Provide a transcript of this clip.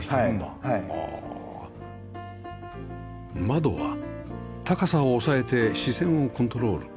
窓は高さを抑えて視線をコントロール